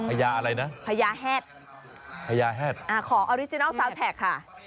ยาอะไรนะพญาแฮดพญาแฮดอ่าขอออริจินัลซาวแท็กค่ะ